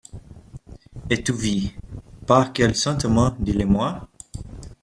Et tu vis ! par quel sentiment, dis-le-moi ?